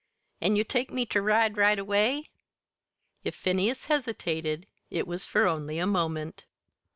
"An' you'll take me ter ride, right away?" If Phineas hesitated it was for only a moment.